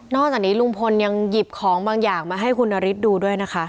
จากนี้ลุงพลยังหยิบของบางอย่างมาให้คุณนฤทธิ์ดูด้วยนะคะ